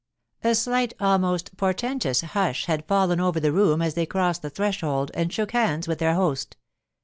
A slight, almost portentous, hush had fallen over the room as they crossed the threshold and shook hands with their host.